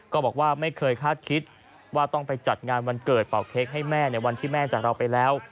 บอกว่าไม่เคยคาดคิดว่าต้องไปจัดงานวันเกิดเป่าเค้กให้แม่ในวันที่แม่จากเราไปแล้ว